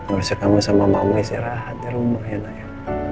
urusnya kamu sama mamamu istirahat di rumah ya nayo